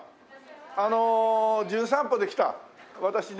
あの『じゅん散歩』で来た私ね